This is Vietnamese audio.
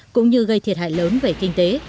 cũng như gây thiệt hại lớn về kinh tế